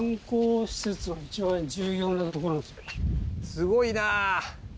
すごいなあ。